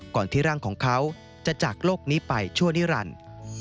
ก่อนที่ร่างของเขาจะจากโลกนี้ไปชั่วนิรันดิ์